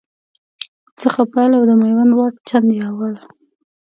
څخه پیل او د میوند واټ، چنداول